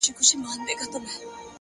د فکر پاکوالی ژوند بدلوي,